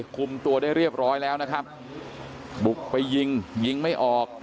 คุมตัวได้เรียบร้อยแล้วนะครับบุกไปยิงยิงไม่ออก